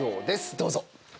どうぞ！